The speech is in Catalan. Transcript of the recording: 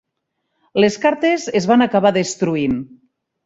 Les cartes es van acabar destruint.